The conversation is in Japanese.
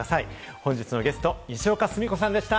本日のゲスト、にしおかすみこさんでした。